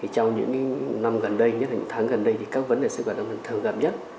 trong những năm gần đây nhất là những tháng gần đây các vấn đề sức khỏe ẩm thực thường gặp nhất